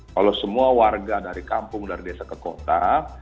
kalau semua warga dari kampung dari desa ke kota